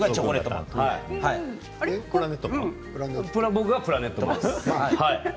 僕がプラネットマンです。